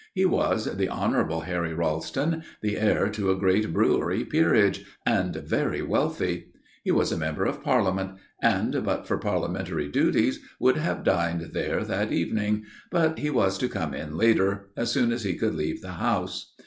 He was the Honourable Harry Ralston, the heir to a great brewery peerage, and very wealthy. He was a member of Parliament, and but for Parliamentary duties would have dined there that evening; but he was to come in later, as soon as he could leave the House.